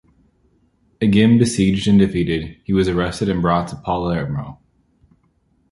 Again besieged and defeated, he was arrested and brought to Palermo.